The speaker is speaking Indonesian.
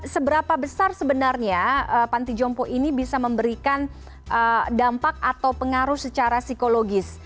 seberapa besar sebenarnya panti jompo ini bisa memberikan dampak atau pengaruh secara psikologis